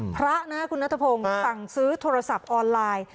พระนะครับคุณนัทพงศ์สั่งซื้อโทรศัพท์ออนไลน์